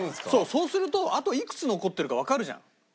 そうするとあといくつ残ってるかわかるじゃん。